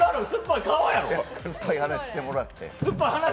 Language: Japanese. いや、酸っぱい話してもらって。